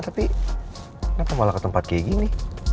tapi kenapa malah ke tempat kayak gini